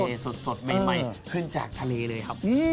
อาหารทะเลสดใหม่ขึ้นจากทะเลเลยครับ